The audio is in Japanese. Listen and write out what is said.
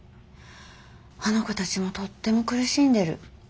あの子たちもとっても苦しんでる。